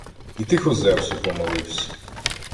І тихо Зевсу помоливсь.